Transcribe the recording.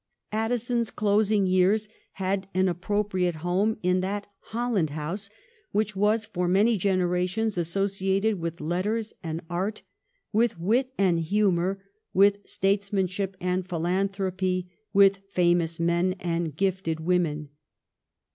Addison's closing years had an appropriate home in that Holland House which was for many generations associated with letters and art, with wit and humour, with states manship and philanthropy, with famous men and gifted women.